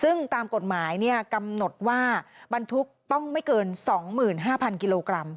ซึ่งตามกฎหมายกำหนดว่าบรรทุกต้องไม่เกิน๒๕๐๐กิโลกรัม